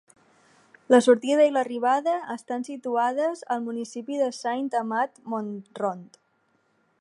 La sortida i l'arribada estan situades al municipi de Saint-Amand-Montrond.